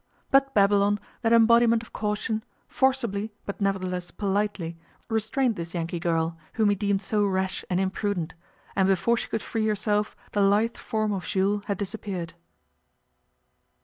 But Babylon, that embodiment of caution, forcibly, but nevertheless politely, restrained this Yankee girl, whom he deemed so rash and imprudent, and before she could free herself the lithe form of Jules had disappeared.